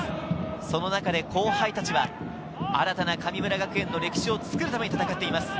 その中で後輩たちは新たな神村学園の歴史を作るために戦っています。